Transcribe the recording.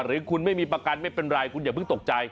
หรือคุณไม่มีประกันไม่เป็นไรคุณอย่าเพิ่งตกใจ